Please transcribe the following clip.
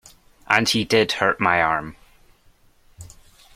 And he did hurt my arm.